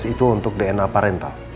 itu untuk dna parental